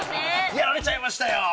やられちゃいましたよ。